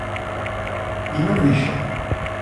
Dime o que dixo!